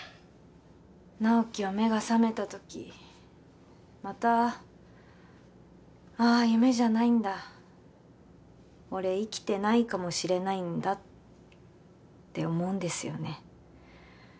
直木は目が覚めた時またああ夢じゃないんだ俺生きてないかもしれないんだって思うんですよね